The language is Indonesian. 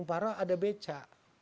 yang paling parah ada beca